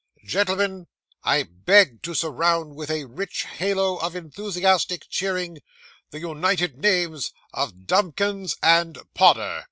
Gentlemen, I beg to surround with a rich halo of enthusiastic cheering the united names of "Dumkins and Podder."